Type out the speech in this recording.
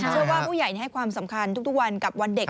เชื่อว่าผู้ใหญ่ให้ความสำคัญทุกวันกับวันเด็ก